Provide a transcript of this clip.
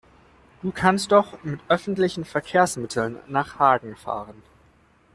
Du kannst doch mit öffentlichen Verkehrsmitteln nach Hagen fahren